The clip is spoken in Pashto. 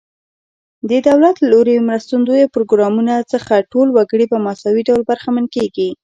د دولت له لوري مرستندویه پروګرامونو څخه ټول وګړي په مساوي ډول برخمن کیږي.